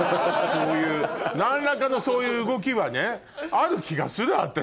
何らかのそういう動きはねある気がする私。